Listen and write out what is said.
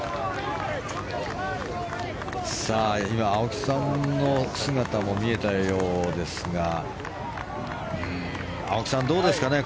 今、青木さんの姿も見えたようですが青木さん、どうですかね。